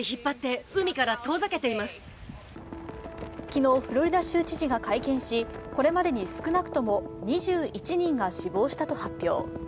昨日、フロリダ州知事が会見し、これまでに少なくとも２１人が死亡したと発表。